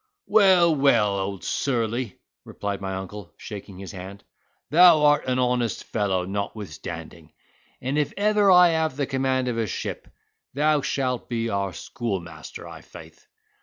"Well, well, old surly," replied my uncle, shaking his hand, "thou art an honest fellow notwithstanding; and if ever I have the command of a ship, thou shalt be our schoolmaster, i'faith."